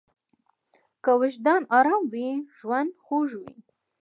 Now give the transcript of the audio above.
که وجدان ارام وي، ژوند خوږ وي.